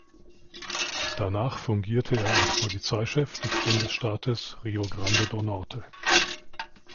Danach fungierte er als Polizeichef des Bundesstaates Rio Grande do Norte.